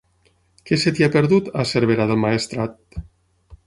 Què se t'hi ha perdut, a Cervera del Maestrat?